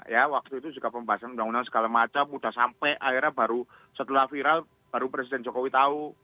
ya waktu itu juga pembahasan undang undang segala macam sudah sampai akhirnya baru setelah viral baru presiden jokowi tahu